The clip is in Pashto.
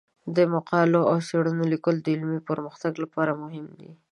د مقالو او څیړنو لیکل د علمي پرمختګ لپاره مهم دي.